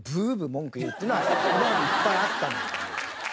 文句言うっていうのは今までいっぱいあった。